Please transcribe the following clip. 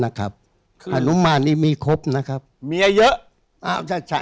หานุมารนี้มีครบนะครับมีอ่ะเยอะ